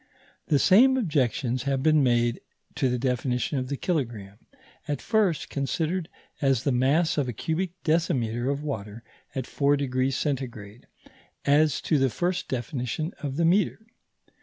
The same objections have been made to the definition of the kilogramme, at first considered as the mass of a cubic decimetre of water at 4° C., as to the first definition of the metre.